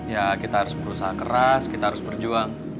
ya kita harus berusaha keras kita harus berjuang